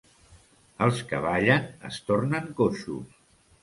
Els que ballen es tornen coixos.